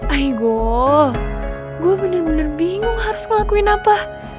aigo gue bener bener bingung harus ngelakuin apa